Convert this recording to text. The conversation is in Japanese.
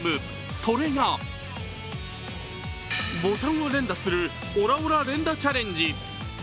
それがボタンを連打するオラオラ連打チャレンジ。